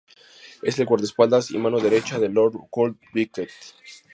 Es el guardaespaldas y mano derecha de "Lord Cutler Beckett".